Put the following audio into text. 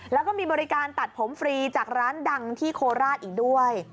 แล้วก็มีบริการตัดผมฟรีจากร้านดังที่โคราชอีกด้วย